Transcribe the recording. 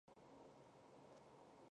为晚会设计了新的装饰和舞台。